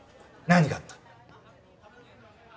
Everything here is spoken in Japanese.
何があった？